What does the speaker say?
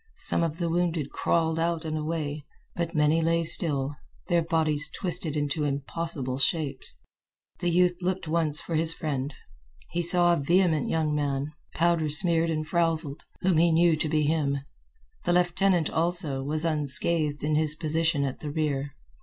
Some of the wounded crawled out and away, but many lay still, their bodies twisted into impossible shapes. The youth looked once for his friend. He saw a vehement young man, powder smeared and frowzled, whom he knew to be him. The lieutenant, also, was unscathed in his position at the rear.